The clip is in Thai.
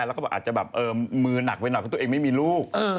แล้วก็บอกอาจจะแบบมือหนักไปหน่อยเพราะตัวเองไม่มีลูก